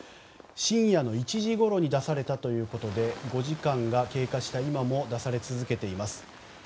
深夜の１時ごろに出されたということで５時間が経過した今も出され続けています。